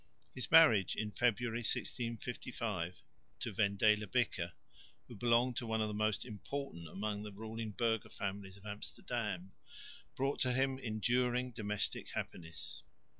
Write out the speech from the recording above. His marriage in February, 1655, to Wendela Bicker, who belonged to one of the most important among the ruling burgher families of Amsterdam, brought to him enduring domestic happiness.